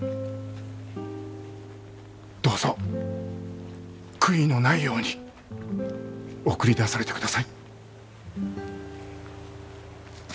どうぞ悔いのないように送り出されてください。